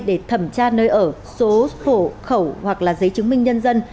để thẩm tra nơi ở số hộ khẩu hoặc là giấy chứng minh nhân dân